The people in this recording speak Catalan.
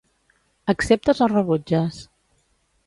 Acceptes o rebutges?